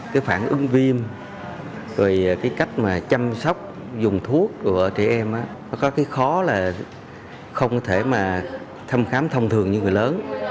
cái phản ứng viêm rồi cái cách mà chăm sóc dùng thuốc của trẻ em nó có cái khó là không thể mà thăm khám thông thường như người lớn